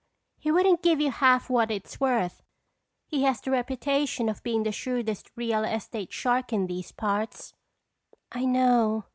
He wouldn't give you half what it's worth. He has the reputation of being the shrewdest real estate shark in these parts." "I know.